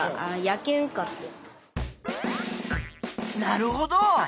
なるほど！